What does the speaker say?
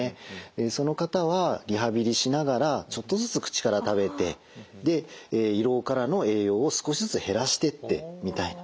その方はリハビリしながらちょっとずつ口から食べてで胃ろうからの栄養を少しずつ減らしてってみたいな。